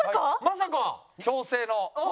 まさか！